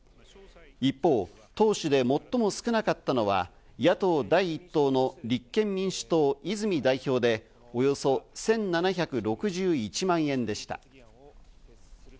一方、党首で最も少なかったのは、野党第一党の立憲民主党・泉代表でおよそ１７６１万円でした。